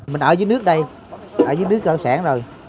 mình ở dưới nước đây ở dưới nước cơ sản rồi